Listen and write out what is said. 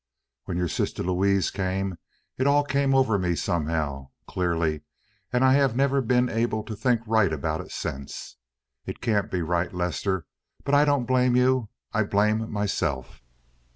When your sister Louise came it all came over me somehow, clearly, and I have never been able to think right about it since. It can't be right, Lester, but I don't blame you. I blame myself.